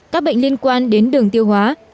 các bệnh liên quan đến đường tiêu hóa